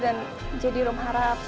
dan jadi rum harap